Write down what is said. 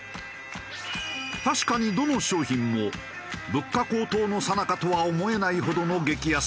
確かにどの商品も物価高騰のさなかとは思えないほどの激安価格。